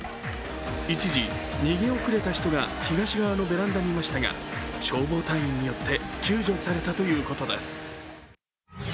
一時、逃げ遅れた人が東側のベランダにいましたが消防隊員によって救助されたということです。